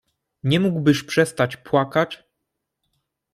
Nie mógłbyś przestać płakać?